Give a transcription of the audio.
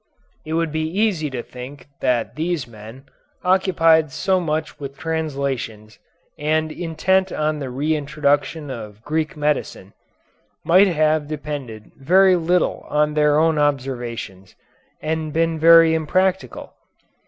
It would be easy to think that these men, occupied so much with translations, and intent on the re introduction of Greek medicine, might have depended very little on their own observations, and been very impractical.